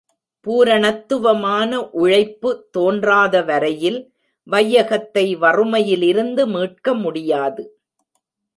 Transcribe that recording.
பூரணத்துவமான உழைப்பு தோன்றாத வரையில் வையகத்தை வறுமையிலிருந்து மீட்க முடியாது.